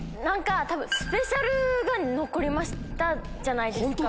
多分スペシャルメニューが残りましたじゃないですか。